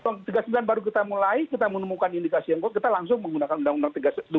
untuk tiga puluh sembilan baru kita mulai kita menemukan indikasi yang bagus kita langsung menggunakan undang undang dua puluh enam